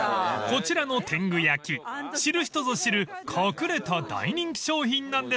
［こちらの天狗焼知る人ぞ知る隠れた大人気商品なんです］